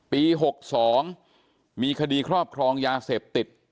ปี๖๒มีคดีครอบครองยาเสพติด